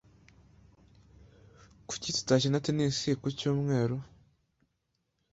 Kuki tutakina tennis ku cyumweru